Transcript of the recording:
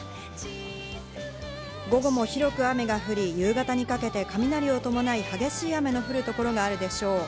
午後も広く雨が降り、夕方にかけて雷を伴い、激しい雨の降る所があるでしょう。